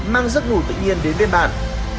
mang rắc ngủ tự nhiên đến bên bạn